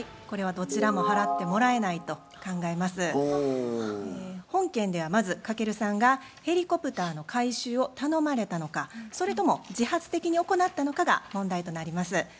これはどちらも本件ではまず翔さんがヘリコプターの回収を頼まれたのかそれとも自発的に行ったのかが問題となります。